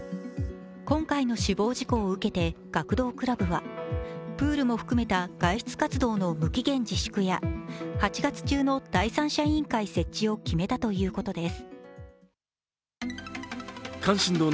今回の死亡事故を受けて学童クラブは、プールも含めた外出活動の無期限自粛や８月中の第三者委員会設置を決めたということです。